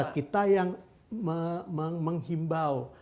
kita yang menghimbau